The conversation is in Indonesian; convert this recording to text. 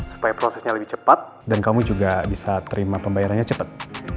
supaya prosesnya lebih cepat dan kamu juga bisa terima pembayarannya cepat